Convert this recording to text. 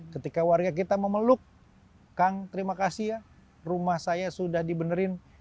ketika warga kita memeluk kang terima kasih ya rumah saya sudah dibenerin